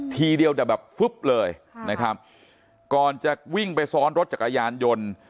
ทีเดียวแต่แบบฟึ๊บเลยนะครับก่อนจะวิ่งไปซ้อนรถจักรยานยนต์